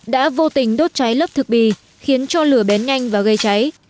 đã vô tình đốt cháy lớp thực bì khiến cho lửa bén nhanh và gây cháy